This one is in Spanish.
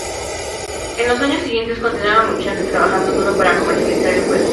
En los años siguientes, continuaron luchando y trabajando duro para comercializar el juego.